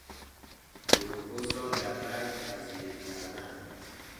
گلوکز را در رگ تزریق کردن